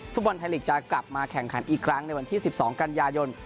ฟุตบอลไทยลีกจะกลับมาแข่งขันอีกครั้งในวันที่๑๒กันยายน